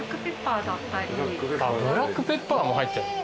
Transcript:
ブラックペッパーも入ってんの？